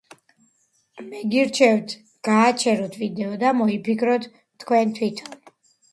მე გირჩევთ გააჩეროთ ვიდეო და მოიფიქროთ თქვენ თვითონ.